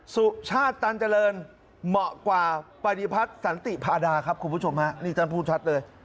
สุชาติตันเจริญเหมาะกว่าปฏิพัฒน์สันติพาดาครับคุณผู้ชมฮะนี่ท่านพูดชัดเลย